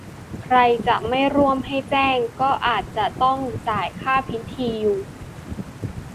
ใครจะไม่ร่วมให้แจ้ง แต่อาจยังต้องจ่ายค่าพิธีอยู่